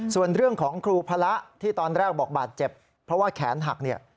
ส่วนเรื่องของครูพระที่ตอนแรกบอกบาดเจ็บเพราะว่าแขนหักเนี่ย